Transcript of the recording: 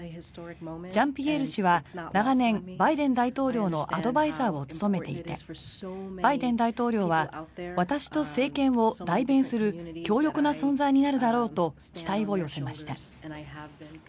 ジャンピエール氏は長年バイデン大統領のアドバイザーを務めていてバイデン大統領は私と政権を代弁する強力な存在になるだろうと期待を寄せました。